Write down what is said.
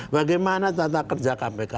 bagaimana tata kerja kpk